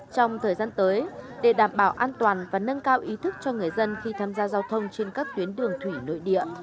trong thời gian tới để đảm bảo an toàn và nâng cao ý thức cho người dân khi tham gia giao thông trên các tuyến đường thủy nội địa